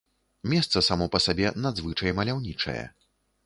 Месца само па сабе надзвычай маляўнічае.